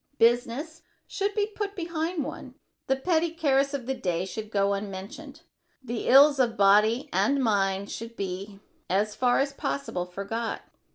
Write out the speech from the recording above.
Business should be put behind one. The petty cares of the day should go unmentioned. The ills of body and mind should be, as far as possible, forgot.